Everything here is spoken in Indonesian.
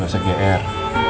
gak usah gr